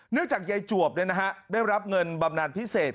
เนื่องจากใยจวบเนี่ยนะฮะได้รับเงินบำนานพิเศษ